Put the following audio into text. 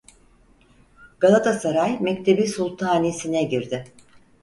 Galatasaray Mekteb-i Sultani'sine girdi.